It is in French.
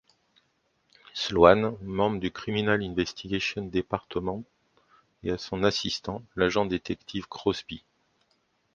Sloan, membre du Criminal Investigation Department et à son assistant, l'agent-détective Crosby.